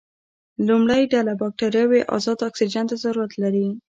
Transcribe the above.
لومړۍ ډله بکټریاوې ازاد اکسیجن ته ضرورت لري.